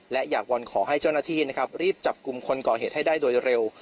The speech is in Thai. และอยากวอนขอให้เจ้าหน้าที่นะครับรีบจับกลุ่มคนก่อเหตุให้ได้โดยเร็ว